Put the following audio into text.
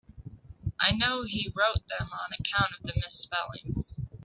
I know he wrote them on account of the misspellings.